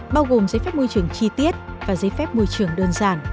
bao gồm giấy phép môi trường chi tiết và giấy phép môi trường đơn giản